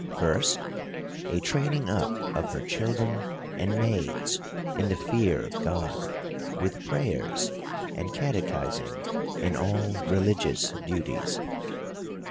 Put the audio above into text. First, a training up of her children and maids in the fear of God ; with prayers, and catechising, and all religious duties.